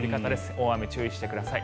大雨に注意してください。